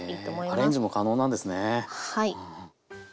アレンジも可能なんですね。